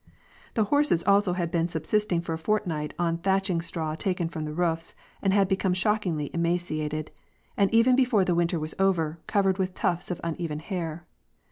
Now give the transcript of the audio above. The horses also had been subsisting for a fortnight on thatch ing straw taken from the roofs, and had become shockingly emaciated, and, even before the winter was over, covered with tufts of uneven hair.